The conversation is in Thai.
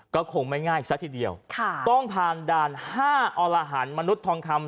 ก็คงไม่ง่ายซะทีเดียวข่าต้องพาดาลห้าอรหารมนุษย์ทองคำ